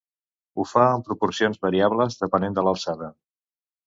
Ho fa en proporcions variables depenent de l’alçada.